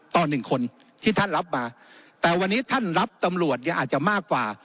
ต่อหนึ่งคนที่ท่านรับมาแต่วันนี้ท่านรับตำรวจเนี่ยอาจจะมากกว่า